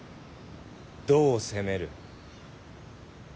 どう攻める。